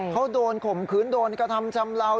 เขาโดนข่มขืนโดนกระทำชำเลา